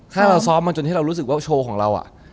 ถ้าเราซ้อมมาจนให้เรารู้สึกว่าโชว์ของเรา